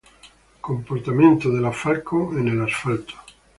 Comportamiento de la Falcon en el asfalto.